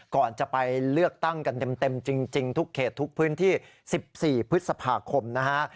ก่อนจะไปเลือกตั้งกันเต็มจริงทุกเขตทุกพื้นที่๑๔พฤษภาคมนะฮะ